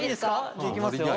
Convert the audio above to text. じゃあいきますよ。